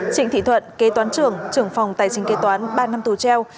trịnh thị thuận kế toán trưởng trưởng phòng tài chính kế toán ba năm tù treo